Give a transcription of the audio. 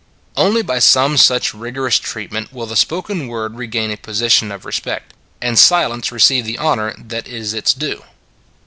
Only by some such rigorous treatment will the spoken word regain a position of respect; and silence receive the honor that is its due.